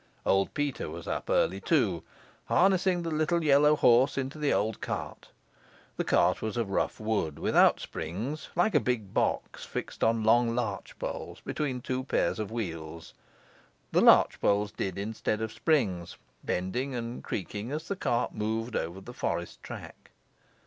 Old Peter was up early too, harnessing the little yellow horse into the old cart. The cart was of rough wood, without springs, like a big box fixed on long larch poles between two pairs of wheels. The larch poles did instead of springs, bending and creaking, as the cart moved over the forest track.